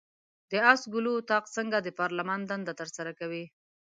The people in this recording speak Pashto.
د آس ګلو اطاق څنګه د پارلمان دنده ترسره کوي؟